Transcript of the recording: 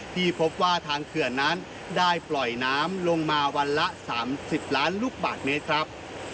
ที่พบว่าทางเขื่อนนั้นได้ปล่อยน้ำลงมาวันละ๓๐ล้านลูกบาทเมตรครับ